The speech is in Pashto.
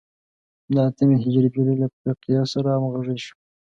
د اتمې هجري پېړۍ له فقیه سره همغږي شو.